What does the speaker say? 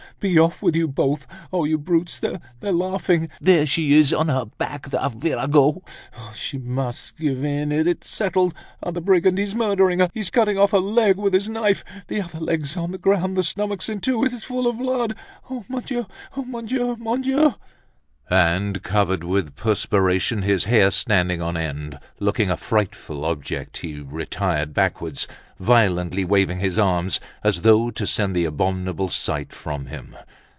Be off with you both. Oh! you brutes, they're laughing. There she is on her back, the virago! She must give in, it's settled. Ah! the brigand, he's murdering her! He's cutting off her leg with his knife. The other leg's on the ground, the stomach's in two, it's full of blood. Oh! Mon Dieu! Oh! Mon Dieu!" And, covered with perspiration, his hair standing on end, looking a frightful object, he retired backwards, violently waving his arms, as though to send the abominable sight from him.